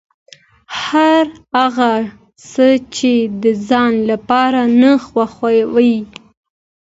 هر هغه څه چې د ځان لپاره نه خوښوې.